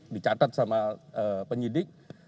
dicatat sama penyidik